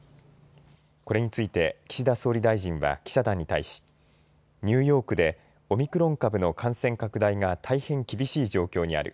これについて岸田総理大臣は記者団に対し、ニューヨークでオミクロン株の感染拡大が大変厳しい状況にある。